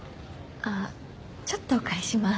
あっちょっとお借りします。